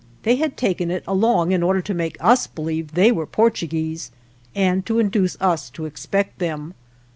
They had taken it along in order to make us believe they were Portuguese and to induce us to expect them.